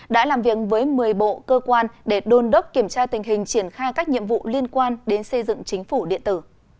đã làm việc với một mươi bộ cơ quan để đôn đốc kiểm tra tình hình triển khai các nhiệm vụ liên quan đến xây dựng chính phủ điện tử